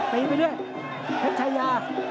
ปีไปด้วยเผ็ดชายา